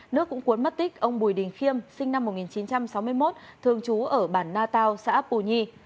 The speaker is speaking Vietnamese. nước cũng cuốn mất tích ông bùi đình khiêm sinh năm một nghìn chín trăm sáu mươi một thường trú ở bản natao xã bù nhi